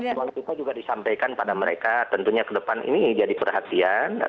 saya juga ingin disampaikan kepada mereka tentunya ke depan ini jadi perhatian